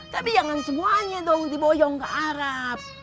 tapi jangan semuanya dong diboyong ke arab